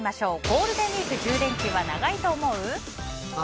ゴールデンウィーク１０連休は長いと思う？